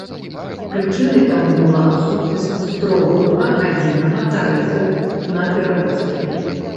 Прычынай таму была адсутнасць строгага адзінага тарыфу на перавозкі.